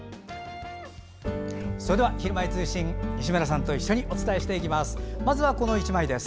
それでは「ひるまえ通信」西村さんと一緒にお伝えしていきます。